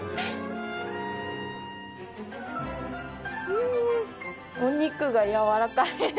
うんお肉がやわらかいです。